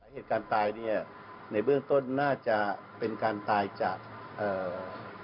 เหตุการณ์ตายเนี้ยในเบื้องต้นน่าจะเป็นการตายจากเอ่อ